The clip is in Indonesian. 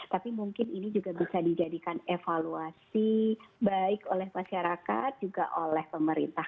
tapi mungkin ini juga bisa dijadikan evaluasi baik oleh masyarakat juga oleh pemerintah